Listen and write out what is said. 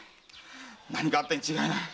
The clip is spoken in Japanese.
何かあったに違いない。